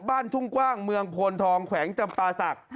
บ้านทุ่งกว้างเมืองโพนทองแขวงจำปาศักดิ์